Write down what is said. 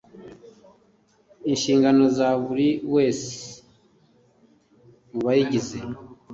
inshingano za buli wese mubayigize